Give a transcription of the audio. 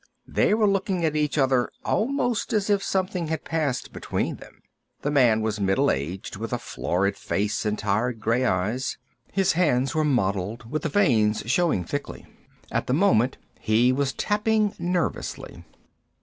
They were looking at each other almost as if something had passed between them. The man was middle aged, with a florid face and tired, grey eyes. His hands were mottled with the veins showing thickly. At the moment he was tapping nervously.